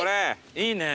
いいね！